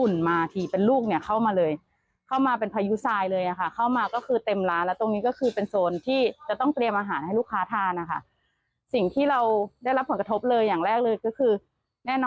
นี่ค่ะคุณแค่เอาอาหารไปวางเสิร์ฟลูกค้า